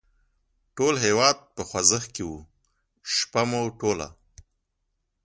ټول هېواد په خوځښت کې و، شپه مو ټوله.